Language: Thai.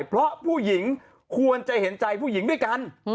เพราะผู้หญิงควรจะเห็นใจผู้หญิงด้วยกัน